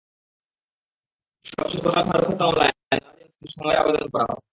সর্বশেষ গতকাল ফারুক হত্যা মামলায় নারাজি আবেদন দিতে সময়ের আবেদন করা হয়।